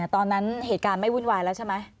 ตอนนั้นเหตุการณ์ไม่วุ่นวายแล้วใช่ไหม